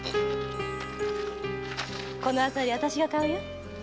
このアサリはあたしが買うよ。